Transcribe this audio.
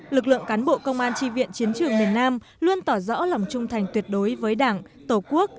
lực lượng cán bộ công an tri viện chiến trường miền nam luôn tỏ rõ lòng trung thành tuyệt đối với đảng tổ quốc